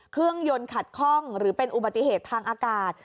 เครื่องยนต์ขัดข้องหรือเป็นอุบัติเหตุทางอากาศ